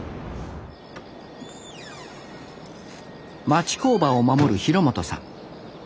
町工場を守る廣本さん。